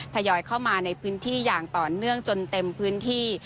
ทยอยเข้ามาในพื้นที่อย่างต่อเนื่องจนเต็มพื้นที่